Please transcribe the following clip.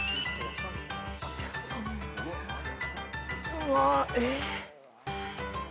うわっえっ？